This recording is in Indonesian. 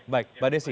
baik mbak desi